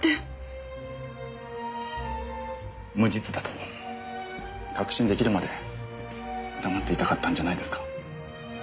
無実だと確信出来るまで黙っていたかったんじゃないですか？